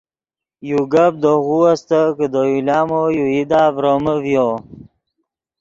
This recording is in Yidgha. یو گپ دے غو استت کہ دے یو لامو یو ایدا ڤرومے ڤیو